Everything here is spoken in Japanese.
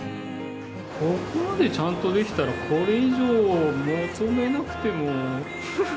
ここまでちゃんとできたらこれ以上求めなくても。